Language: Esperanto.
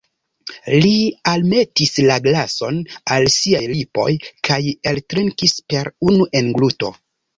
Li almetis la glason al siaj lipoj, kaj eltrinkis per unu engluto.